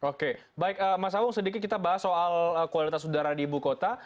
oke baik mas awung sedikit kita bahas soal kualitas udara di ibu kota